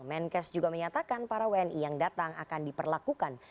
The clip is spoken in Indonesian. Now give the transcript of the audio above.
menkes juga menyatakan para wni yang datang akan diperlakukan